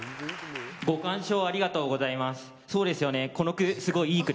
ご鑑賞ありがとうございます。